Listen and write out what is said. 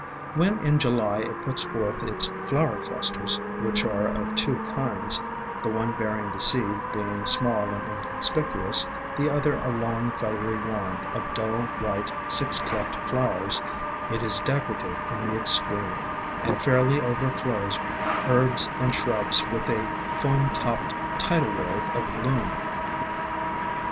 When in July it puts forth its flower clusters, which are of two kinds, the one bearing the seed being small and inconspicuous, the other a long, feathery wand of dull white six cleft flowers, it is decorative in the ex treme and fairly overflows herbs and shrubs with a foam topped tidal wave of bloom.